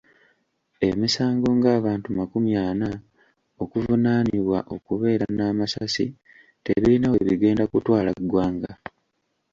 Emisango ng‘abantu makumi ana okuvunaanibwa okubeera n'amasasi tebirina we bigenda kutwala ggwanga.